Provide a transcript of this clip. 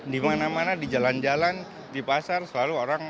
di mana mana di jalan jalan di pasar selalu orang